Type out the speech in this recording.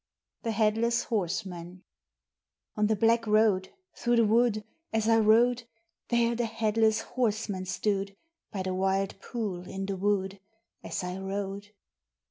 THE HEADLESS HORSEMAN On the black road through the wood As I rode, There the Headless Horseman stood; By the wild pool in the wood, As I rode.